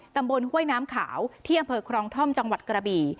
ห้วยน้ำขาวที่อำเภอครองท่อมจังหวัดกระบี่